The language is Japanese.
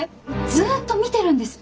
ずっと見てるんです。